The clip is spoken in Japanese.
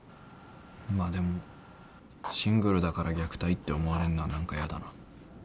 まあでもシングルだから虐待って思われるのは何かやだな。